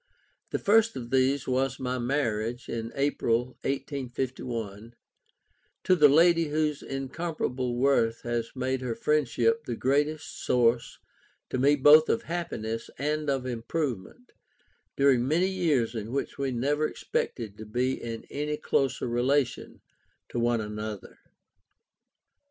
The first of these was my marriage, in April, 1851, to the lady whose incomparable worth had made her friendship the greatest source to me both of happiness and of improvement, during many years in which we never expected to be in any closer relation to one another.